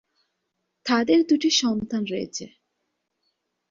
তাদের দুটি সন্তান রয়েছে।